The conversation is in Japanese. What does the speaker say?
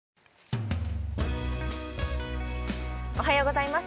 おめでとうございます。